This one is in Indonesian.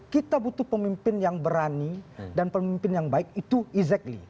kita butuh pemimpin yang berani dan pemimpin yang baik itu exactly